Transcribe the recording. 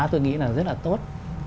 tôi nghĩ là rất là tốt